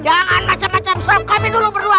jangan macem macem sop kami dulu berdua